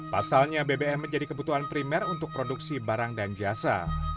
pasalnya bbm menjadi kebutuhan primer untuk produksi barang dan jasa